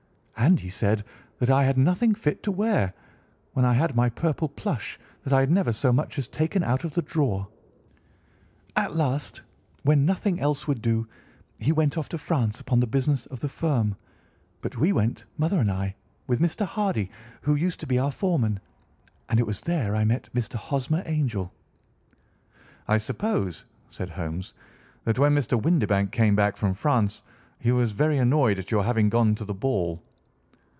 And he said that I had nothing fit to wear, when I had my purple plush that I had never so much as taken out of the drawer. At last, when nothing else would do, he went off to France upon the business of the firm, but we went, mother and I, with Mr. Hardy, who used to be our foreman, and it was there I met Mr. Hosmer Angel." "I suppose," said Holmes, "that when Mr. Windibank came back from France he was very annoyed at your having gone to the ball."